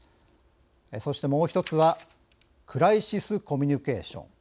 そしてもう１つはクライシスコミュニケーション